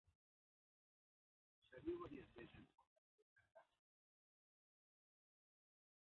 Salió varias veces por la Puerta Grande de Las Ventas de Madrid.